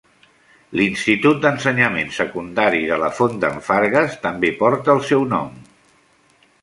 I l'Institut d'ensenyament secundari de la Font d'en Fargues també porta el seu nom.